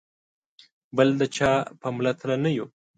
بل د چا په مله تله نه یو.